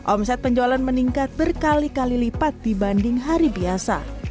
omset penjualan meningkat berkali kali lipat dibanding hari biasa